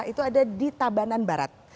itu ada di tabanan barat